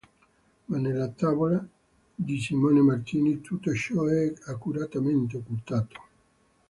Ma nella tavola di Simone Martini tutto ciò è accuratamente occultato.